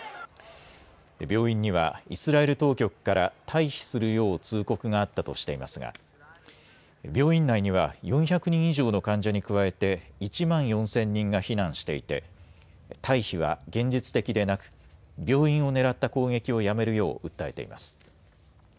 病院にはイスラエル当局から退避するよう通告があったとしていますが病院内には４００人以上の患者に加えて１万４０００人が避難していて退避は現実的でなく病院を狙った攻撃をやめるよう訴えています。